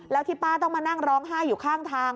แล้วที่ป้าต้องมานั่งร้องไห้อยู่ข้างทาง